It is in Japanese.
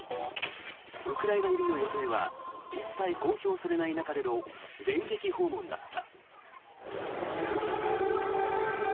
ウクライナ入りの予定は一切公表されない中での電撃訪問だった。